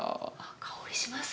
香りしますね。